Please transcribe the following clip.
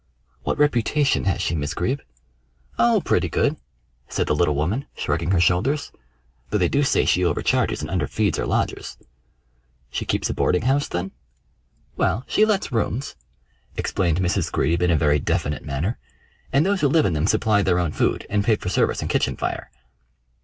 "What reputation has she, Miss Greeb?" "Oh, pretty good," said the little woman, shrugging her shoulders, "though they do say she overcharges and underfeeds her lodgers." "She keeps a boarding house, then?" "Well, she lets rooms," explained Miss Greeb in a very definite manner, "and those who live in them supply their own food, and pay for service and kitchen fire."